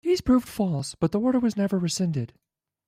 These proved false, but the order was never rescinded.